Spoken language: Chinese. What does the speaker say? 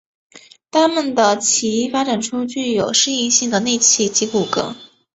它们的鳍发展出具适应性的肉鳍及骨骼。